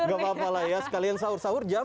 gak apa apa lah ya sekalian sahur sahur jam